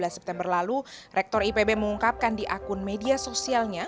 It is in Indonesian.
dua belas september lalu rektor ipb mengungkapkan di akun media sosialnya